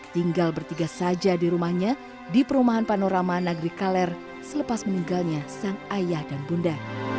tinggal bertiga saja di rumahnya di perumahan panorama negeri kaler selepas meninggalnya sang ayah dan bunda